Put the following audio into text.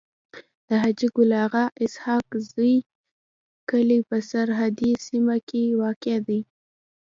د حاجي ګل اغا اسحق زی کلی په سرحدي سيمه کي واقع دی.